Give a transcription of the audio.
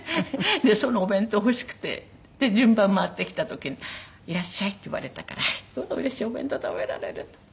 そのお弁当欲しくて順番回ってきた時に「いらっしゃい」って言われたから「うれしい！お弁当食べられる」。